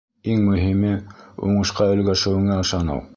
Иң мөһиме — уңышҡа өлгәшеүеңә ышаныу.